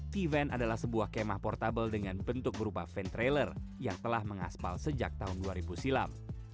t van adalah sebuah kemah portable dengan bentuk berupa van trailer yang telah mengaspal sejak tahun dua ribu silam